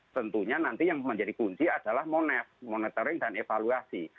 tentunya nanti yang menjadi kunci adalah monitoring dan evaluasi